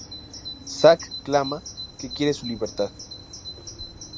Zack clama que quiere su libertad.